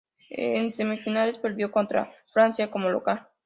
En semifinales perdió contra Francia como local.